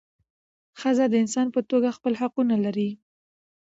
ښځه د انسان په توګه خپل حقونه لري .